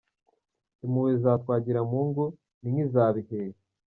Impuhwe za Twagiramungu ni nk’iza bihehe